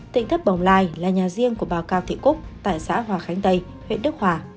tỉnh thấp bồng lai là nhà riêng của bào cao thị cúc tại xã hòa khánh tây huế đức hòa